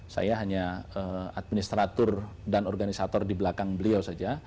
saya hanya administratur dan organisator di belakang beliau saja